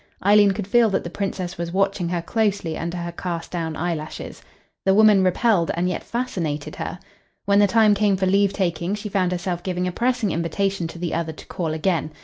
Eileen could feel that the Princess was watching her closely under her cast down eyelashes. The woman repelled and yet fascinated her. When the time came for leave taking she found herself giving a pressing invitation to the other to call again.